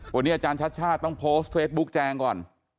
วันนี้อาจารย์ชาติชาติต้องโพสต์เฟซบุ๊กแจงก่อน